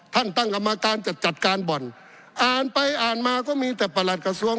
ตั้งกรรมการจัดจัดการบ่อนอ่านไปอ่านมาก็มีแต่ประหลัดกระทรวง